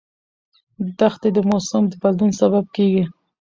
دښتې د موسم د بدلون سبب کېږي.